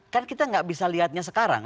kan kita nggak bisa lihatnya sekarang